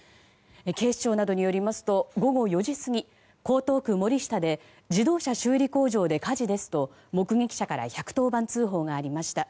警視庁などによりますと午後４時過ぎ江東区森下で自動車修理工場で火事ですと目撃者から１１０番通報がありました。